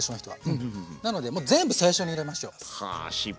なのでもう全部最初に入れましょう。